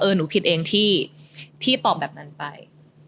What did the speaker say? หนูผิดเองที่ตอบแบบนั้นไป